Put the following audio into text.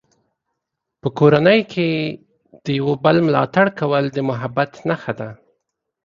په کورنۍ کې د یو بل ملاتړ کول د محبت نښه ده.